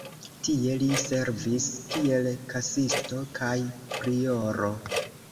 Tie li servis kiel kasisto kaj prioro.